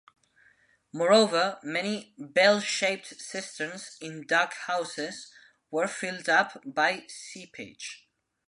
Moreover, many bell-shaped cisterns in dug houses were filled up by seepage.